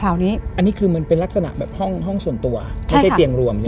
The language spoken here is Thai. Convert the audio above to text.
อันนี้คือเป็นลักษณะห้องส่วนตัวไม่ใช่เตียงรวม